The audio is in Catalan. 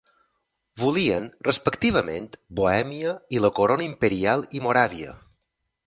Volien, respectivament, Bohèmia i la Corona imperial i Moràvia.